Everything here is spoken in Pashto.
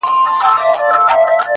صبر چي تا د ژوند د هر اړخ استاده کړمه